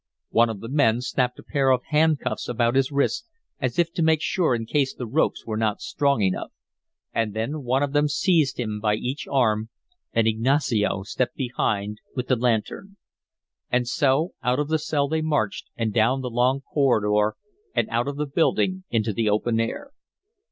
One of the men snapped a pair of handcuffs about his wrists, as if to make sure of him in case the ropes were not strong enough. And then one of them seized him by each arm and Ignacio stepped behind with the lantern. And so out of the cell they marched and down the long corridor and out of the building into the open air.